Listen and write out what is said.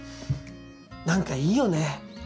何かいいよね。